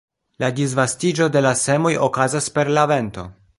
La disvastiĝo de la semoj okazas per la vento.